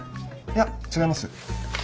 いや違います。